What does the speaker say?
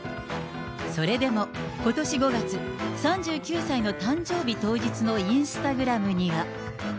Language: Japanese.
それでもことし５月、３９歳の誕生日当日のインスタグラムには。